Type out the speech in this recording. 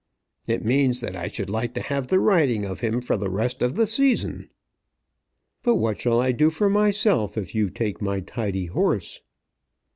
"It means that I should like to have the riding of him for the rest of the season." "But what shall I do for myself if you take my tidy horse?"